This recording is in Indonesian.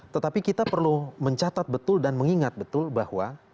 tetapi kita perlu mencatat betul dan mengingat betul bahwa